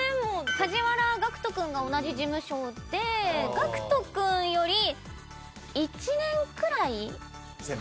梶原岳人君が同じ事務所で岳人君より１年くらい早かったのかなという。